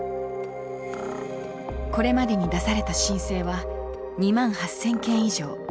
これまでに出された申請は２万８，０００件以上。